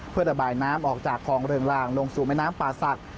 เพื่อระบายน้ำออกจากคลองเรืองลางลงสู่แม่น้ำป่าศักดิ์